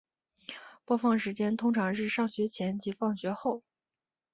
播放时间通常是上学前及放学后。